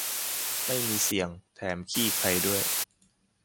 ไม่มีเสี่ยง แถมขี้ไคลด้วย